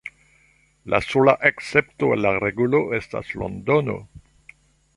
La sola escepto al la regulo estas Londono.